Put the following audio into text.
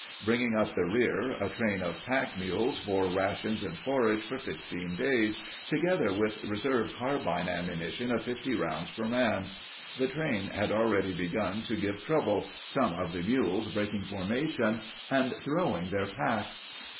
Bringing up the rear, a train of pack mules bore rations and forage for 15 days together with reserve carbine ammunition of 50 rounds per man. The train had already begun to give trouble, some of the mules breaking formation and throwing their packs.